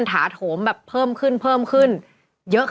แต่ก็คือ